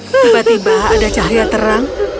tiba tiba ada cahaya terang